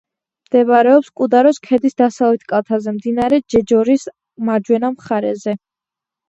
მდებარეობს კუდაროს ქედის დასავლეთ კალთაზე, მდინარე ჯეჯორის მარჯვენა მხარეზე.